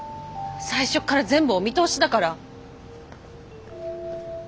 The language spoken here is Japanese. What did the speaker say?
最初っから全部お見通しだから。